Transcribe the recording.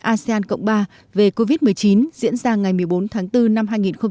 asean cộng ba về covid một mươi chín diễn ra ngày một mươi bốn tháng bốn năm hai nghìn hai mươi